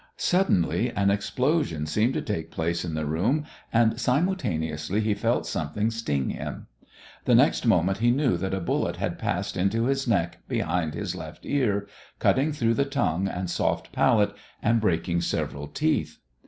Suddenly an explosion seemed to take place in the room, and simultaneously he felt something sting him. The next moment he knew that a bullet had passed into his neck behind his left ear, cutting through the tongue and soft palate, and breaking several teeth.